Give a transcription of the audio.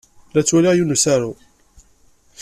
La ttwaliɣ yiwen n usaru.